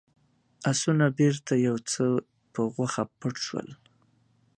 آسونه هم بېرته يو څه په غوښه پټ شول.